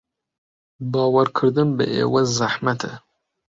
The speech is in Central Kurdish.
باوەڕکردن بە ئێوە زەحمەتە.